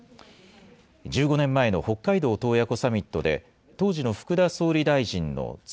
１５年前の北海道洞爺湖サミットで、当時の福田総理大臣の妻、